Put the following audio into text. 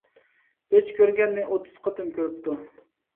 ئۆچ كۆرگەننى ئوتتۇز قېتىم كۆرۈپتۇ.